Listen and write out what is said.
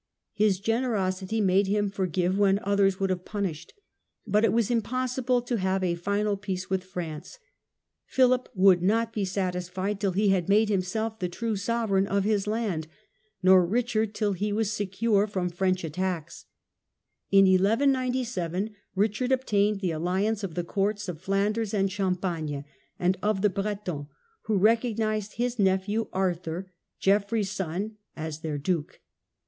His generosity made him forgive when others Richard's would have punished. But it was impossible defence of to have a final peace with France. Philip Normandy, would not be satisfied till he had made himself the true sovereign of his land, nor Richard till he was secure from French attacks. In 1197 Richard obtained the alliance of the courts of Flanders and Champagne and of the Bretons, who recognized his nephew Arthur, Geoffrey's son, as their duke.